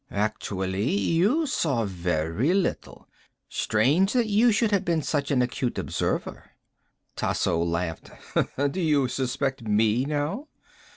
"Actually, you saw very little. Strange that you should have been such an acute observer." Tasso laughed. "Do you suspect me, now?"